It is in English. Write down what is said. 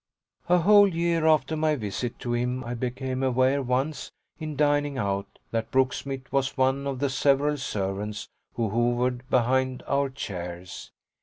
A whole year after my visit to him I became aware once, in dining out, that Brooksmith was one of the several servants who hovered behind our chairs.